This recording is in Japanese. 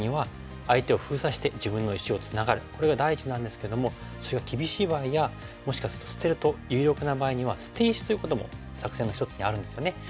まずこれが第一なんですけどもそれが厳しい場合やもしかすると捨てると有力な場合には捨て石ということも作戦の一つにあるんですよね。